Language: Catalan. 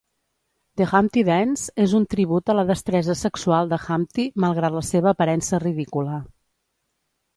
"The Humpty Dance" és un tribut a la destresa sexual de Humpty malgrat la seva aparença ridícula.